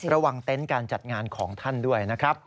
เต็นต์การจัดงานของท่านด้วยนะครับ